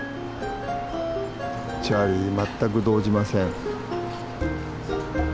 チャーリー全く動じません。